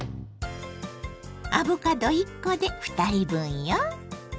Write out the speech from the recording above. アボカド１コで２人分よ。